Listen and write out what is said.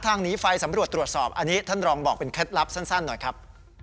หนีไฟสำรวจตรวจสอบอันนี้ท่านรองบอกเป็นเคล็ดลับสั้นหน่อยครับ